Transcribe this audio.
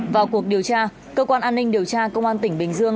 vào cuộc điều tra cơ quan an ninh điều tra công an tỉnh bình dương